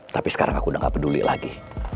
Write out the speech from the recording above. tapi sekarang aku udah gak peduli lagi